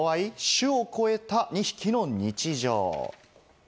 種を超えた２匹の日常。